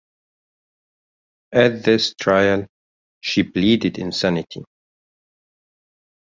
At this trial, she pleaded insanity.